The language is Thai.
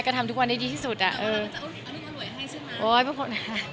ก็ทำทุกวันได้ดีที่สุด